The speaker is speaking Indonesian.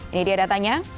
ini dia datanya